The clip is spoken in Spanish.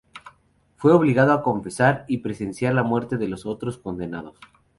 Fue obligado a confesar y presenciar la muerte de los otros condenados.